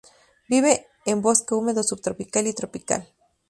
Vive en bosque húmedo subtropical y tropical.